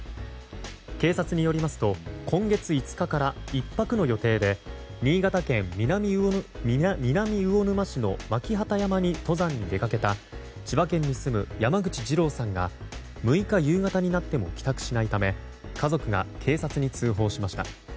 警察によりますと今月５日から１泊の予定で新潟県南魚沼市の巻機山に登山に出かけた千葉県に住む山口治朗さんが６日夕方になっても帰宅しないため家族が警察に通報しました。